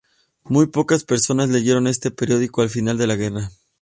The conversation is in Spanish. Muy pocas personas leyeron este periódico al final de la guerra.